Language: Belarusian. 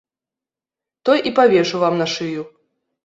Той і павешу вам на шыю.